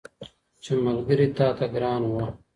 چي ملګري تاته ګران وه